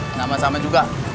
selamat sama juga